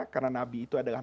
karena nabi itu adalah